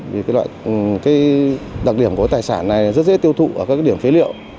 vì cái đặc điểm của tài sản này rất dễ tiêu thụ ở các điểm phế liệu